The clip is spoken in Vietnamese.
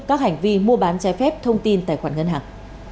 các hành vi mua bán trái phép thông tin tài khoản ngân hàng